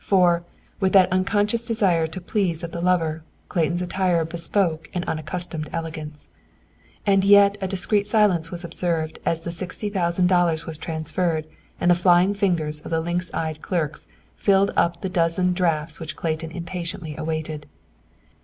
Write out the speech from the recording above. For, with that unconscious desire to please of the lover, Clayton's attire bespoke an unaccustomed elegance. And yet a discreet silence was observed as the sixty thousand dollars was transferred, and the flying fingers of the lynx eyed clerks filled up the dozen drafts which Clayton impatiently awaited.